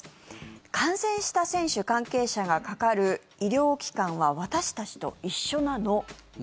感染した選手、関係者がかかる医療機関は私たちと一緒なの？